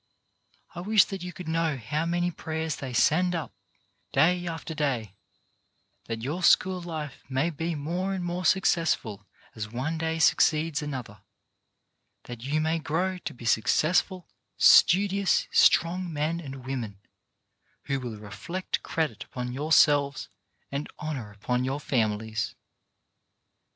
I wish that you could know how many prayers they send up, day after day, that your school life may be more and more successful as one day succeeds another, that you may grow to be successful, studious, strong men and women, who will reflect credit upon yourselves and honour upon your families.